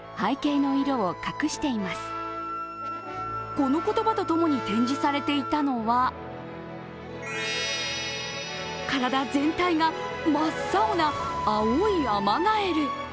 この言葉と共に展示されていたのは、体全体が真っ青な青いアマガエル。